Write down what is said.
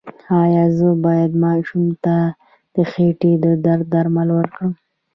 ایا زه باید ماشوم ته د خېټې د درد درمل ورکړم؟